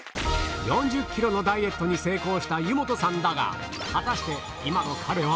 ４０ｋｇのダイエットに成功した湯本さんだが果たして今の彼は？